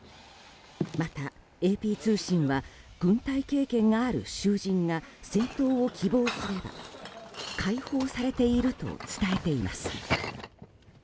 またＡＰ通信は軍隊経験がある囚人が戦闘を希望すれば解放されていると伝えています。